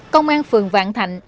công an phường vạn thạnh